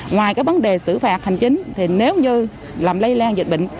ngoài cái vấn đề xử phạt hành chính thì nếu như làm lây lan dịch bệnh